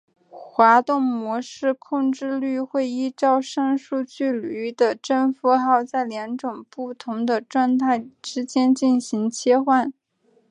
滑动模式控制律会依照上述距离的正负号在二种不同的状态之间进行切换。